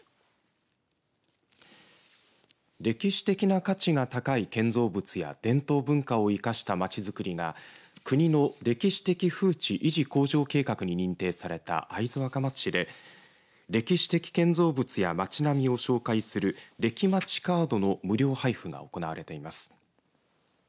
歴史的な価値が高い建造物や伝統文化を生かした町づくりが国の歴史的風致維持向上計画に認定された会津若松市で歴史的建造物や町並みを紹介する歴まちカードの無料配布が行われています。